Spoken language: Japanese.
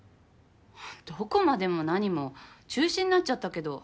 どこまでも何も中止になっちゃったけど。